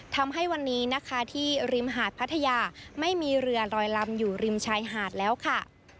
ทำให้วันนี้นะคะที่ริมหาดพัทยาไม่มีเรือลอยลำอยู่ริมชายหาดแล้วค่ะ